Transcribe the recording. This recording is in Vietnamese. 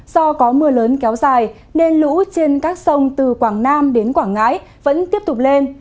do có mưa lớn kéo dài nên lũ trên các sông từ quảng nam đến quảng ngãi vẫn tiếp tục lên